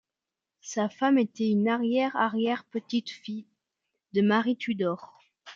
Sa femme était une arrière-arrière-petite-fille de Marie Tudor.